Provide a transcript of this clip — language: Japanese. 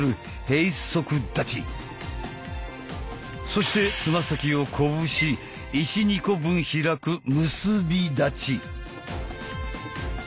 そしてつま先を拳１２個分開く「結び立ち」。